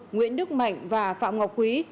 nguyễn đức mạnh và phạm ngọc quý